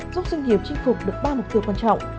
giúp doanh nghiệp chinh phục được ba mục tiêu quan trọng